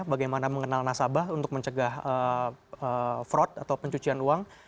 bagaimana mengenal nasabah untuk mencegah fraud atau pencucian uang